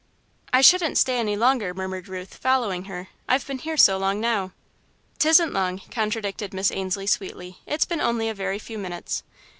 "I shouldn't stay any longer," murmured Ruth, following her, "I've been here so long now." "'T isn't long," contradicted Miss Ainslie, sweetly, "it's been only a very few minutes."